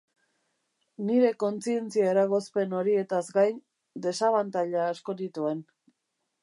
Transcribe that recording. Nire kontzientzia-eragozpen horietaz gain, desabantaila asko nituen.